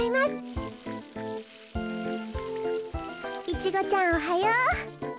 イチゴちゃんおはよう。